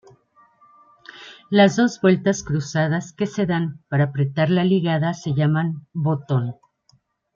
Las dos vueltas cruzadas que se dan para apretar la ligada se llaman "botón".